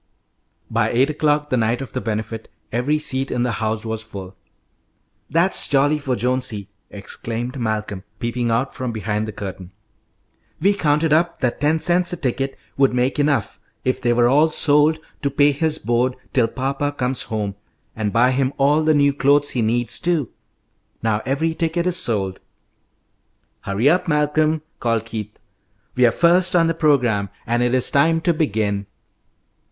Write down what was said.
By eight o'clock, the night of the Benefit, every seat in the house was full. "That's jolly for Jonesy," exclaimed Malcolm, peeping out from behind the curtain. "We counted up that ten cents a ticket would make enough, if they were all sold, to pay his board till papa comes home, and buy him all the new clothes he needs, too. Now every ticket is sold." "Hurry up, Malcolm," called Keith. "We are first on the programme, and it is time to begin."